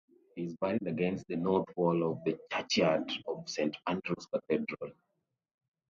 He is buried against the north wall of the churchyard of Saint Andrew's Cathedral.